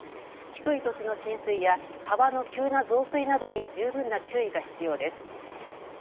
低い土地の浸水や川の急な増水などに十分な注意が必要です。